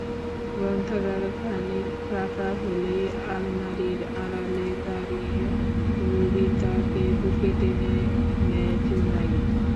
গ্রন্থাগার খানিক ফাঁকা হতেই আলমারির আড়ালে দাঁড়িয়ে রুবিতাকে বুকে টেনে নেয় জুনায়েদ।